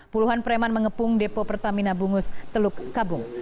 puluhan preman mengepung depo pertamina bungus teluk kabung